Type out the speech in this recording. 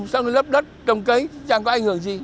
xong rồi lấp đất trồng cấy chẳng có ảnh hưởng gì